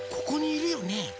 ここにいるよね？